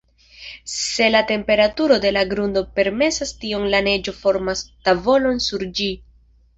Se la temperaturo de la grundo permesas tion, la neĝo formas tavolon sur ĝi.